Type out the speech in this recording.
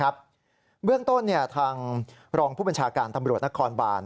เบื้องต้นทางรองผู้บัญชาการตำรวจนครบาน